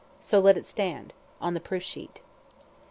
_ so let it stand!" on the proof sheet.